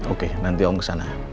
oke nanti om kesana